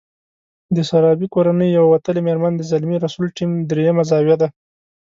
د سرابي کورنۍ يوه وتلې مېرمن د زلمي رسول ټیم درېيمه زاویه ده.